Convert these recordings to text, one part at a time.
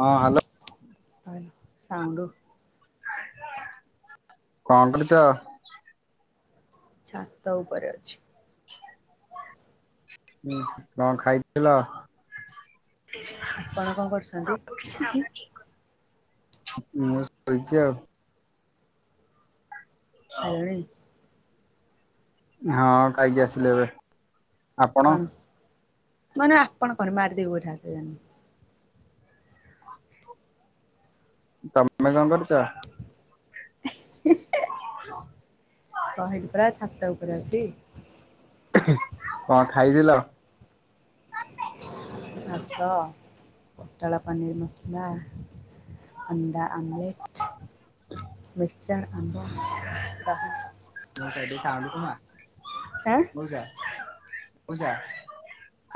ହଁ ହ୍ୟାଲୋ। ଭଲ ସାଉଣ୍ଡ କଣ କରୁଚ। ଛାତ ଉପରେ ଅଛି। କଣ ଖାଇଥିଲ। ଆପଣ କଣ କରୁଛନ୍ତି? ସବୁ କିଛି ତା ଠିକ। ମୁଁ ଶୋଇଛି ଆଉ। ଖାଇଲଣି? ହଁ କାଇକି ଆସିଲି ଏବେ। ଆପଣ କଣ ମାନେ ଆପଣ କଣ ମାରିଦେବି ଗୋଇଠା ଜାଣିନୁ। ତମେ କଣ କରୁଛ? [unintelligible] [inaudible] କହିଲି ପରା ଛାତ ଉପରେ ଅଛି। କଣ ଖାଇଥିଲ? ଭାତ। ପୋଟଳ ପନିର ମସଲା, ଅଣ୍ଡା ଆମ୍ଲେଟ୍। ମିକଚର୍, ଆମ୍ବ, ଦହି। ନ ସେଠ ସାଉଣ୍ଡ କମା। ଆଁ? ମୋଉଷା ମୌସା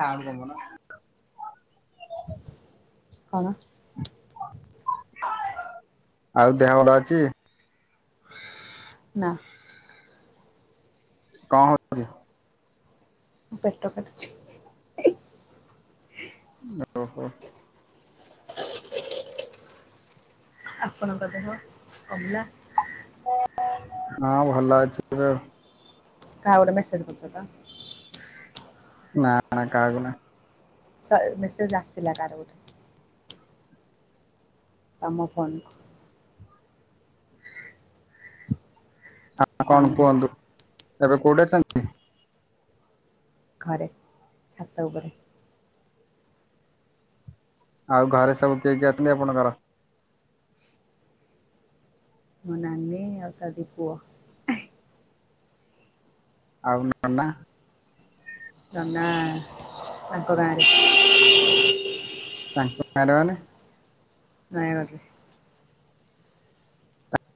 ସାଉଣ୍ଡ କମଉନା। କଣ? ଆଉ ଦେହ ଭଲ ଅଛି? ନା। କ ହୋଉଛି? ମୋ ପେଟ କାଟୁଛି। ଓହୋ। ଆପଣଙ୍କ ଦେହ କମିଲା? ହଁ ଭଲ ଅଛି ଏବେ ଆଉ। କାହାକୁ ଗୋଟେ ମେସେଜ କରୁଚ ତ? ନା ନା କାହାକୁ ନୁହେଁ। ସ ମେସେଜ୍ ଆସିଲା କାର ଗୋଟେ? ତମ ଫୋନ୍ କୁ। ହଁ କଣ ସାଉଣ୍ଡ ହେଲା କୁହନ୍ତୁ, ଏବେ କୋଉଠି ଅଛନ୍ତି? ଘରେ ଛାତ ଉପରେ। ଆଉ ଘରେ ସବୁ କିଏ କିଏ ଅଛନ୍ତି ଆପଣଙ୍କର? ମୋ ନାନି ଆଉ ତା ଦି ପୁଅ। ଆଉ ନନା? ନନା ତାଙ୍କ ଗାଁ ରେ। ସାଙ୍କ ମ୍ୟାଡ଼ାନ। ନାଇ। [unintelligible]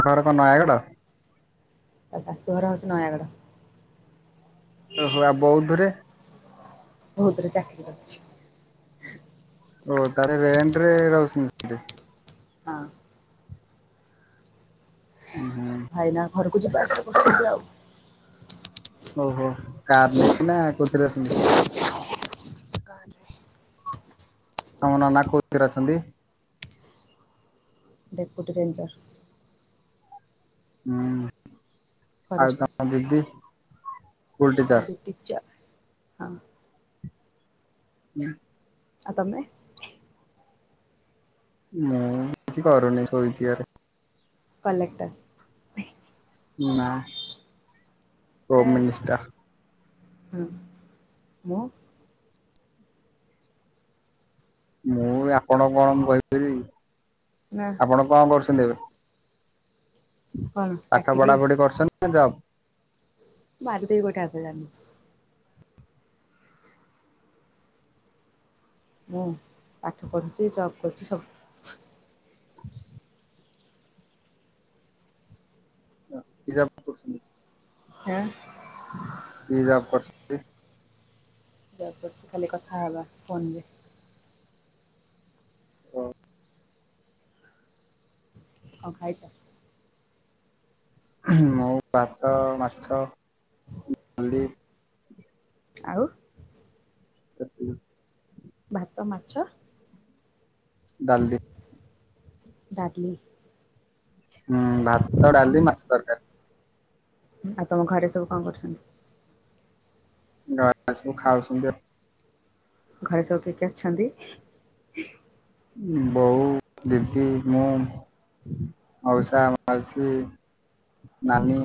ଘର କ ନୟାଗଡ଼? ତା ଶାଶୁଘର ହଉଛି ନୟାଗଡ଼। ଓହୋ ଆଉ ବଉଦୁରେ। ବହୁତରେ ଚାକିରି କରୁଛି। ଓ ତାର ରେଣ୍ଟ ରେ ରଉଛନ୍ତି ସେ। ହଁ। ହୁଁ ଭାଇନା ଘରକୁ ଯିବା ଆସିବା କରୁଛନ୍ତି ଆଉ। ଓହୋ କାର ନେଇକି ନା କୋଉଥିରେ ଆସନ୍ତି? ଗାଁରେ। ତମ ନନା କୋଉଥିରେ ଅଛନ୍ତି? ଡପ୍ୟୁଟି ରରେଞ୍ଜର। ହୁଁ, ଆଉ ଫରେଷ୍ଟର ତମ ଦିଦି? School teacher. ଦିଦି ଟିଚର ହଁ। ହୁଁ। ଆଉ ତମେ? ମୁଁ କିଛି କରୁନି ଶୋଇଚି ଆରେ। କଲେକ୍ଟର ମୁଁ ନା ହୋମ ଏଁ ମିନିଷ୍ଟର ହୁଁ ମୁଁ ମୁଁ ଆପଣଙ୍କ କଣ କହିପାରିବି? ନା। ଆପଣ ଙ୍କ କରୁଛନ୍ତି ଏବେ କଣ ପାଠ ଚାକିରି ପଢାପଢି କରୁଛନ୍ତି ନା ଜବ ମାରିଦେବି ଗୋଇଠା ହେକା ଜାଣିନୁ। ମୁଁ ପାଠ ପଢୁଛି ଜବ୍ କରୁଛି ସବୁ। ଓ କି ଜବ ଆପଣ କରୁଚନ୍ତି? ହଁ। କି ଜବ କରୁଚ? ଜବ କରୁଚି ଖାଲି କଥା ହବା ଫୋନରେ। ଓ। ଙ୍କ ଖାଇଚ? ହୁଁ ମୁଁ ଭାତ ମାଛ ଡାଲି ଆଉ ସେତିକି। ଭାତ ମାଛ ଡାଲି। ଡାଲି ହୁଁ ଭାତ ଡାଲି ମାଛ ତରକାରୀ। ଆଉ ତମ ଘରେ ସବୁ କଣ କରୁଛନ୍ତି? ଘରେ ସବୁ ଖାଉଛନ୍ତି ଆଉ। ଘରେ ସବୁ କିଏ କିଏ ଅଛନ୍ତି? ବୋଉ ଦିଦି ମୋ। ମଉଷା ମାଉସୀ ନାନୀ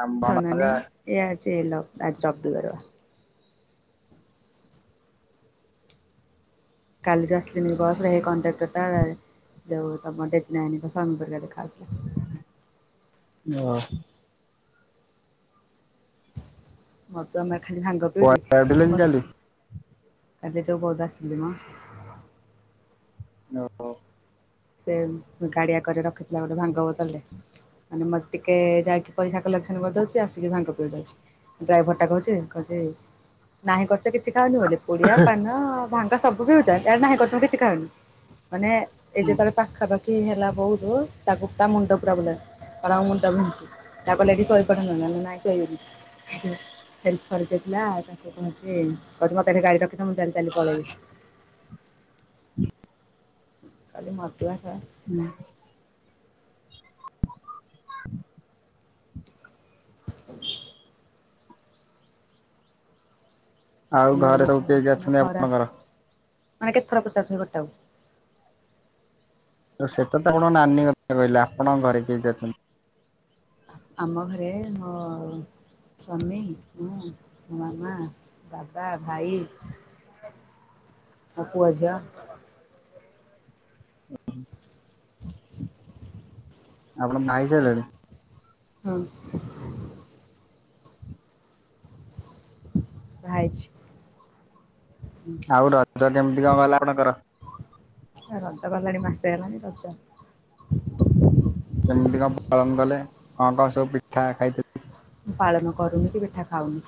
ଆ ଭଣଜା ଏଆ ଚେଲ ଆଜି ରବିବାର। କାଲି ଯେ ଆସଲିନେଇ ବସ ରେ ହେଇ କଣ୍ଟାକ୍ଟରଟା ଯେଉ ତମର ଡେଟି ନାଏନି ଙ୍କ ସ୍ବାମୀ ପରିକା ଦେଖା ହଉଥିଲେ। ମୁଁ ଅ ମତେ ଅନା ଖାଲି ଭାଙ୍ଗ ପିଉଚି ଯାଇଥିଲେ କି ବତ୍ କାଲି? ଖାଲି ଯୋଉ ବହୁଧ ଆସିଲି ମ ଓ ଓ। ସେ ଗାଡ଼ିଆକରେ ରଖିଥିଲା ଗୋଟେ ଭାଙ୍ଗ ବୋତଲ ଟେ। ମାନେ ମତେ ଟିକେ ଯାଇକି ପଇସା କଲେସନ କରିଦଉଚି ଆସିକି ଭାଙ୍ଗ ପିଇ ଦଉଛି। ଡ୍ରାଇଭରଟା କହୁଚି କହୁଚି ନାହିଁ କରୁଚ କିଛି ଖାଉନି ବୋଲି ପୋଡିଆ ପାନ ଭାଙ୍ଗ ତ ସବୁ ପିଉଚ ଇଆଡେ ନାହିଁ କରୁଚ ମୁଁ କିଛି ଖାଉନି ମାନେ ଏ ଯେତଳେ ପାଖା ପାାଖି ହେଲା ବହୁତ ତାକୁ ତା ମୁଣ୍ଡ ପୁରା ବୁଲେଇଲା। କଣ ମୋ ମୁଣ୍ଡ ବିନ୍ଧୁଚି ତାକୁ କହିଲେ ଏଠି ଶୋଇପଡ଼ ନହେଲେ କହିଲା ନାଇଁ ସୋଇବିନି। ହେଲ୍ପ କରାଯାଇଥିଲା ତାଙ୍କୁ କହୁଚି କହୁଚି ମତେ ଏଠି ଗାଡି ରଖିଥା ମୁଁ ଚାଲି ଚାଲି ପଳେଇବି। କାଲି ମଦୁଆଙ୍କ ହୁଁ। ଆଉ ତମ ଆଡେ ଘରେ ମେଘ ସବୁ କିଏ କିଏ ଅଛନ୍ତି ଆପଣଙ୍କର? ମାନ କେତେଥର ପଚାରୁଚନ୍ତି ଗଟାକୁ? ତ ସେଟା ତ ଆପଣ ନାନୀ କଥା କହିଲେ ଆପଣଙ୍କ ଘରେ କିଏ କିଏ ଅଛନ୍ତି? ଆମ ଘରେ ମ ସ୍ୱାମୀ ମୁଁ ମୋ ମାମା ବାବା ଭାଇ ଆଉ ପୁଅ ଝିଅ [unintelligible] ଆପଣ ଭାଇ ସାରିଲାଣି। ହଁ। ଭାଇଛି। ଆଉଟଡଛ କେମିତି କଣ ହେଲା ଆପଣଙ୍କର? ରଜ ଗଲାଣି ମାସେ ହେଲାଣି ରଜ। ସେମିତି କଣ ପାଳନ କଲେ କଣ କଣ ସବୁ ପିଠା ଖାଇଥିଲେ? ମୁଁ ପାଳନ କରୁନି କି ପିଠା ଖାଉନି।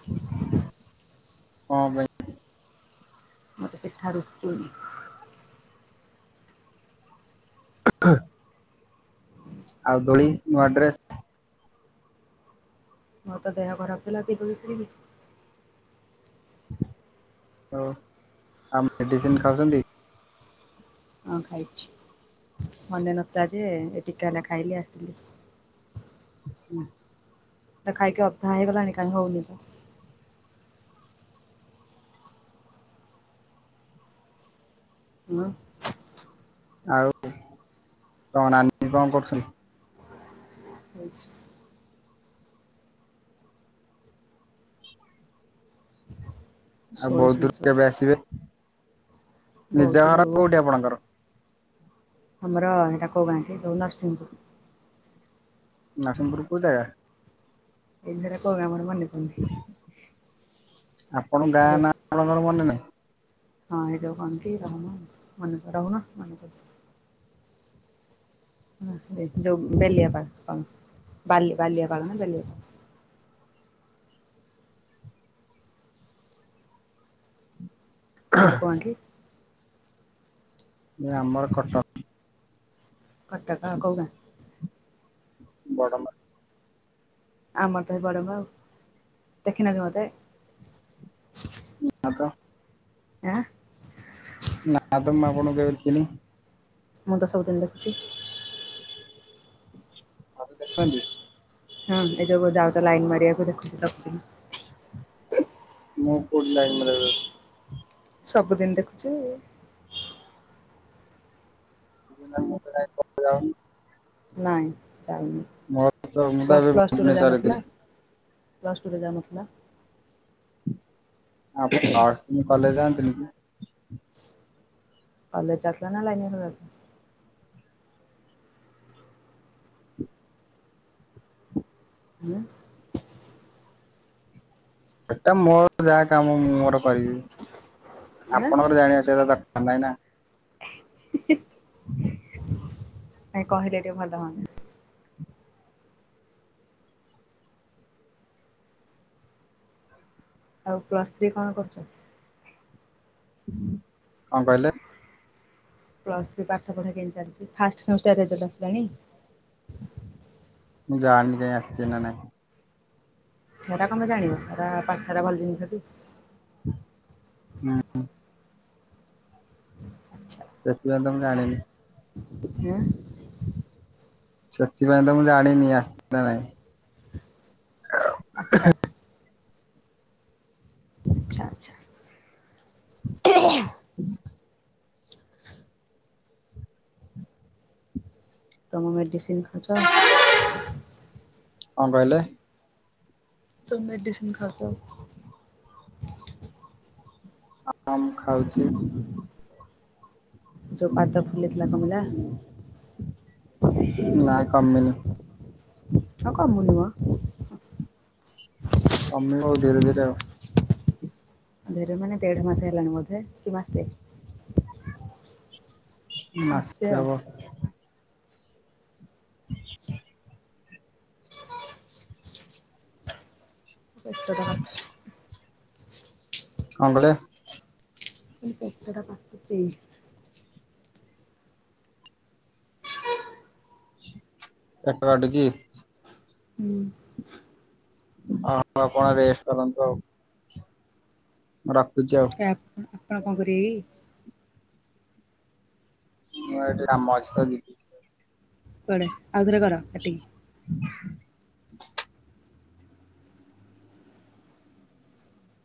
ହଁ ଭାଇ। ମତେ ପିଠା ରୁଚୁନି। [unintelligible] ଆଉ ଦୋଳି ନୂଆ ଡ୍ରେସ୍। [unintelligible] ହ ଆଉ ମେଡିସିନ ଖାଉଛନ୍ତି। ହଁ ଖାଇଛି ମନେ ନଥିଲା ଯେ ଏ ଟିକେ ହେଲା ଖାଇଲି ଆସିଲି। ହୁଁ। ଖାଇକି ଅଥା ହେଇଲାଣି କାଇଁ ହଉନି ତ? ହଁ। [unintelligible] [inaudible] ଆଉ ବହୁତ ଶୋଇଛନ୍ତି ଦୂର ସବୁ କେବେ ଆସିବେ ନିଜ ବୌଦ୍ଧରୁ ଘର କୋଉଠି ଆପଣଙ୍କର? ଆମର ଏଇଟା କୋଉ ଗାଁଟି ଯୋଉ ନରସିଂହପୁର। ନରସିଂପୁର କଉ ଜାଗା? [unintelligible] ଆପଣ ଏ ଯୋଉ ଗାଁ ନାଙ୍କର ମନେ ନାହିଁ। ହଁ ଏଇଯ କଣ କି ରହୁନ ମନେ କର ରହୁନ ମନେ କର ହ ଯଉ ବେଲିଆ ପାଳ କଣ ବାଲି ବାଲିଆ ପାଳ ନା ବେଲିଆ ତମର କ ଆ କି? ଆମର କଟକ। କଟା କା କଉ ଗାଁ? ବଡ଼ବର। ଆମର ତ ଗରଙ୍ଗ ଆଉ ଦେଖିନ କି ମୋତେ? ତ ଆଁ। ନାଁ ତ ଅପଣଙ୍କୁ କେବେ ଦେଖିନି? ମୁଁ ତ ସବୁଦିନ ଦେଖୁଛି। ମତେ ଦେଖନ୍ତି। ହଁ ଏଜବ ଯାଉଛ ଲାଇନ ମାରିଆକୁ ଦେଖୁ ଚି ସବୁଦିନ। ମୁଁ କୋଉଠି ଲାଇନ୍ ମାରି ଆ କୁ ସବୁଦିନ ଦେଖୁଛି। [unintelligible] ନାଇଁ ଚାଲନି ମୋର ତ ମୁଁ ତ ପ୍ଲ ଏବେ ପ୍ଳସ ଟୁରେ ଯାଉ ଭୁବନେଶ୍ୱରରେ ନଥିଲା। ଥିଲି ପ୍ଲସ ଟୁ ରେ ଯାଉ ନଥିଲା। ଆ କଲେଜ ଯାଆନ୍ତିି କି? କଲେଜ ଯାଉଥିଲ ନା ଲାଇନ ମାରି ଯାଉଥିଲା। ଉଁ। ସେଟା ମୋର ଯାହା କାମ ମୁଁ ମୋର କରିବି ଆଁ? ଆପଣଙ୍କର ଜାଣିବା ସେଇଟାର ଭାଇ ନା। [inaudible] [inaudible] ନାଇଁ କହିଲେ ଟିକେ ଭଲ ହୁଅନ୍ତା। ଆଉ ପ୍ଲସ୍ ଥ୍ରୀ କଣ କରୁଚ? କଣ କହିଲେ? ପ୍ଲସ୍ ଥ୍ରୀ ପାଠପଢା କେମତି ଚାଲଚି ଫାଷ୍ଟ ସେମଷ୍ଟାର ରେଜଲ୍ଟ ଆସିଲାଣି? ମୁଁ ଯାଣିଣିି କାଇଁ ଆସିଚି ନା ନାଇଁ? ହେରା କମାଇଁ ଜାଣିବ ହେରା ପାଠରା ଭଲ ଜିନଷ କି। ହୁଁ। ଆଚ୍ଛା। ସେଥିପାଇଁ ତ ମୁଁ ଜାଣିନି। ଆଁ? ସେଥିପାଇଁ ତ ମୁଁ ଜାଣିନି ଆସଚି ନା ନାହିଁ। ହ ଆଚ୍ଛା। ଆଚ୍ଛା ଆଚ୍ଛା। ହ ତମ ମେଡିସିନ୍ ଖାଉଚ? କଣ କହିଲେ? ତୋ ମେଡିସନ ଖାଉ ତ? ହଁ ମୁଁ ଖାଉଛି ହୁଁ ଯୋଉ ପାଦ ଫୁଲିଥିଲା କମିଲା? ନାଇଁ କମିନି। ଆ କମୁନି କଣ? କମିବ ଆଉ ଧୀରେ ଧୀରେ ଆଉ। ଧରେ ମାନେ ଦେଢ ମାସ ହେଲାଣି ବୋଧେ କି ମାସେ। ମାସେ ହବ। ହ ଏତେ କଣ କଣ କହିଲେ? ମୁଁ କହିଲି ପେଟଟା କାଟୁଚି। ହ ପେଟ କାଟୁଚି? ହୁଁ। ଆଉ ଆପଣ ରେଷ୍ଟ କରନ୍ତୁ ଆଉ। ମୁଁ ରଖୁଚି ଆଉ। କି ଆପଣ ଆପଣ କଣ କରିବେ କି? ମୁଁ ଏଠି କାମ ଅଛି ତ ଯିବି। କୁଆଡେ ଆଉ ଥରେ କର କାଟିକି। ହୁ